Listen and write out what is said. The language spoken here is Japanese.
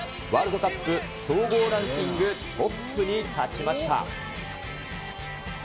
ワールドカップ総合ランキングトップに立ちました。